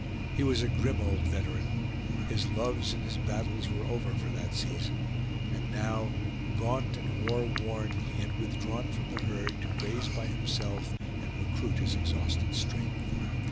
He was a grim old veteran. His loves and his battles were over for that season, and now, gaunt and war worn, he had withdrawn from the herd to graze by himself and recruit his exhausted strength.